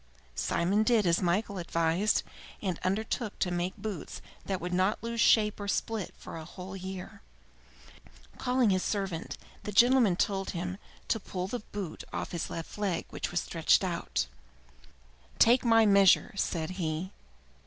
Simon did as Michael advised, and undertook to make boots that would not lose shape or split for a whole year. Calling his servant, the gentleman told him to pull the boot off his left leg, which he stretched out. "Take my measure!" said he.